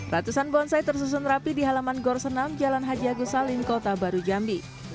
ratusan bonsai tersusun rapi di halaman gor senam jalan haji agus salim kota baru jambi